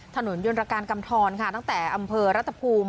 ถนนยนตรการกำทรค่ะตั้งแต่อำเภอรัฐภูมิ